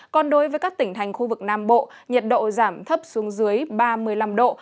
còn đối với các tỉnh thành khu vực nam bộ nhiệt độ giảm thấp xuống dưới ba mươi năm độ